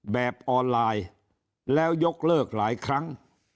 แบบออนไลน์แล้วยกเลิกหลายครั้ง